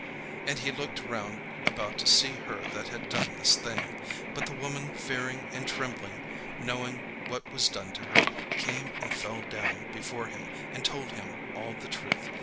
'" And he looked round about to see her that had done this thing. But the woman fearing and trembling, knowing what was done in her, came and fell down before him, and told him all the truth.